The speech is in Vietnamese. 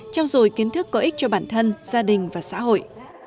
trao dồi kiến thức có ích cho bản thân gia đình và xã hội